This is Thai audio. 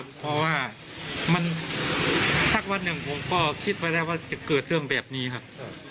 เพราะว่ามันสักวันหนึ่งผมก็คิดไว้แล้วว่าจะเกิดเรื่องแบบนี้ครับ